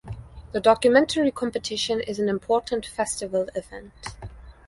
The documentary competition is an important festival event.